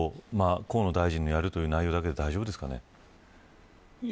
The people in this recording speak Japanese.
河野大臣がやるという内容だけで大丈夫でしょうか。